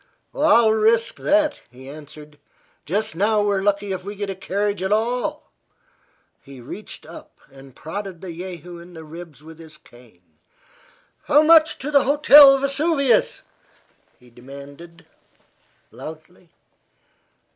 "I'll risk that," he answered. "Just now we're lucky if we get a carriage at all." He reached up and prodded the jehu in the ribs with his cane. "How much to the Hotel Vesuvius?" he demanded, loudly.